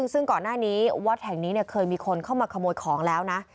ซึ่งก่อนหน้านี้วัดแห่งนี้เคยมีคนเข้ามาขโมยของแล้วนะ